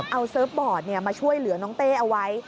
เอาเซิร์ฟบอร์ดมาช่วยเหลือน้องเต้เอาไว้